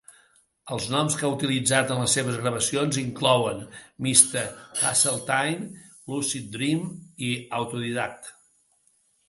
Els noms que ha utilitzat en les seves gravacions inclouen Mr. Hazeltine, Lucid Dream i Autodidact.